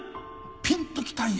ピンときたんよ。